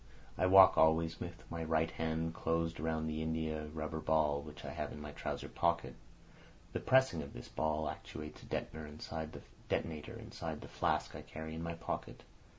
I walk always with my right hand closed round the india rubber ball which I have in my trouser pocket. The pressing of this ball actuates a detonator inside the flask I carry in my pocket.